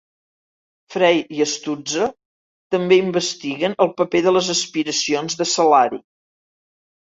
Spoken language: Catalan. Frey i Stutzer també investiguen el paper de les aspiracions de salari.